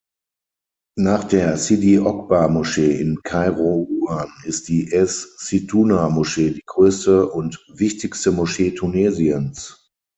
Nach der Sidi-Oqba-Moschee in Kairouan ist die Ez-Zitouna-Moschee die größte und wichtigste Moschee Tunesiens.